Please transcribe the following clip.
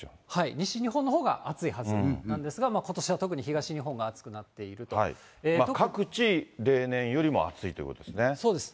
西日本のほうが暑いぐらいなんですが、ことしは特に東日本が各地、例年よりも暑いというそうです。